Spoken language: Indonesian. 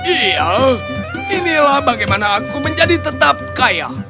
iya inilah bagaimana aku menjadi tetap kaya